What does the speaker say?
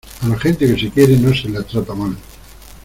a la gente que se quiere no se la trata mal.